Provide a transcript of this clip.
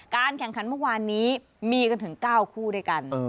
แข่งขันเมื่อวานนี้มีกันถึง๙คู่ด้วยกัน